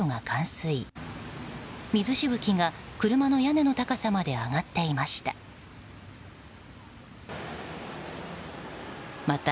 水しぶきが車の屋根の高さまで上がっていました。